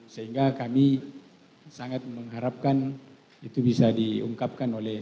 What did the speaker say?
sehingga kami sangat mengharapkan itu bisa diungkapkan oleh